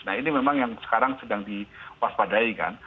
nah ini memang yang sekarang sedang diwaspadai kan